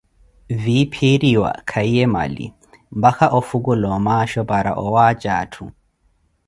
viiphiiriwa kahiye mali, mpaka ofukula omaasho para owaaja atthu.